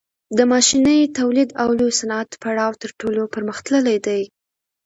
د ماشیني تولید او لوی صنعت پړاو تر ټولو پرمختللی دی